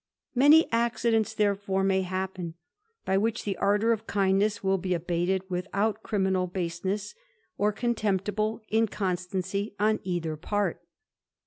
Many accidents therefore may happen, by which the ardour of kindness will be abated, without criminal base* ness or contemptible inconstancy on either part.